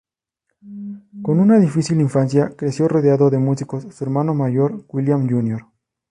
Con una difícil infancia, creció rodeado de músicos: su hermano mayor William Jr.